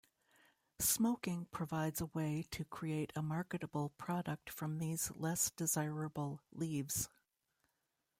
Smoking provides a way to create a marketable product from these less desirable leaves.